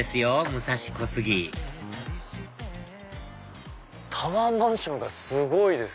武蔵小杉タワーマンションがすごいです。